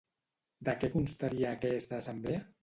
De què constaria aquesta assemblea?